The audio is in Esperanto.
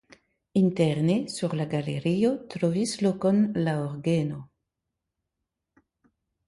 Interne sur la galerio trovis lokon la orgeno.